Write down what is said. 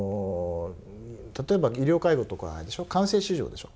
例えば医療介護とかは官製市場でしょ。